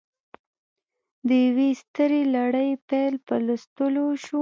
د یوې سترې لړۍ پیل په لوستلو وشو